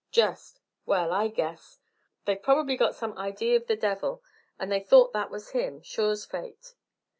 "Just. Well, I guess! They've probably got some idee of the devil, and they thought that was him, sure 's fate."